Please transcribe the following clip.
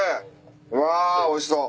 うわおいしそう。